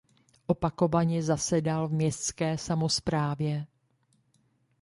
Opakovaně zasedal v městské samosprávě.